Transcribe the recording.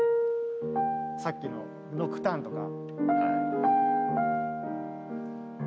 さっきの『ノクターン』とか。